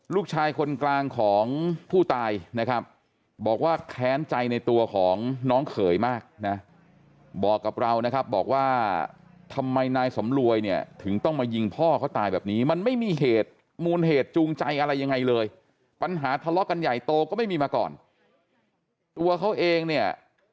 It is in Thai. ลูกชายคนกลางของผู้ตายนะครับบอกว่าแค้นใจในตัวของน้องเขยมากนะบอกกับเรานะครับบอกว่าทำไมนายสำรวยเนี่ยถึงต้องมายิงพ่อเขาตายแบบนี้มันไม่มีเหตุมูลเหตุจูงใจอะไรยังไงเลยปัญหาทะเลาะกันใหญ่โตก็ไม่มีมาก่อนตัวเขาเองเนี่ย